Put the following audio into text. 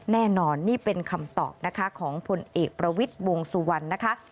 แน่นอนนี่เป็นคำตอบนะคะของผลเอกประวิทย์วงสุวรรณนะคะ